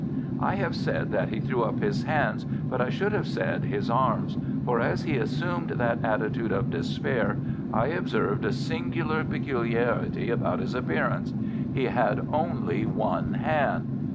I have said that he threw up his hands, but I should have said his arms, for as he assumed that attitude of despair I observed a singular peculiarity about his appearance. He had only one hand!